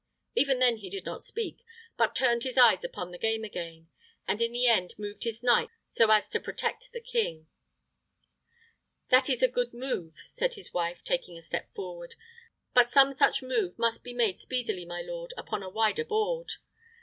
Even then he did not speak, but turned his eyes upon the game again, and in the end moved his knight so as to protect the king. "That is a good move," said his wife, taking a step forward; "but some such move must be made speedily, my lord, upon a wider board."